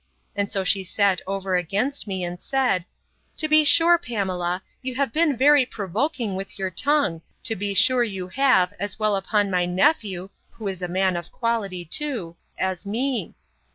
And so she sat over against me, and said, To be sure, Pamela, you have been very provoking with your tongue, to be sure you have, as well upon my nephew, (who is a man of quality too,) as me.